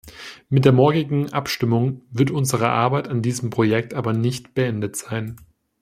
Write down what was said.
Mit der morgigen Abstimmung wird unsere Arbeit an diesem Projekt aber nicht beendet sein.